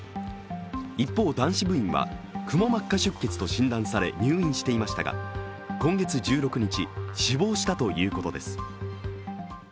一方、男子部員はくも膜下出血と診断され入院していましたが今月１６日、死亡したということです。